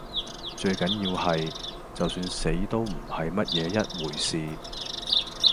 最緊要係，就算死都唔係乜嘢一回事。